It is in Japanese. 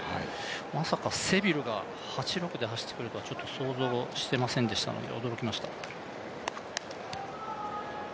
まさかセビルが８６で走ってくるとは思いませんでしたので、驚きました。